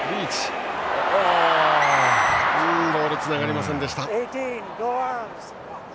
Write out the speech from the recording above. ボールつながりませんでした。